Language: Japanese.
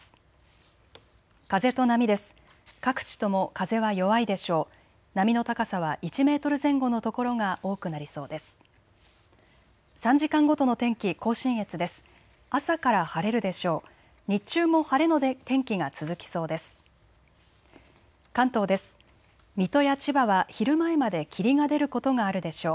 朝から晴れるでしょう。